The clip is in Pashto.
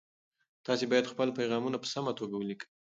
تاسي باید خپل پیغامونه په سمه توګه ولیکئ.